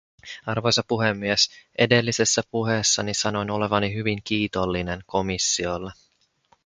Arvoisa puhemies, edellisessä puheessani sanoin olevani hyvin kiitollinen komissiolle.